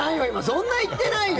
そんな言ってないよ！